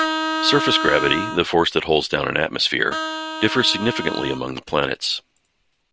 Surface gravity, the force that holds down an atmosphere, differs significantly among the planets.